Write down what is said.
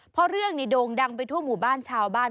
เพราะเรื่องนี้โด่งดังไปทั่วหมู่บ้านชาวบ้าน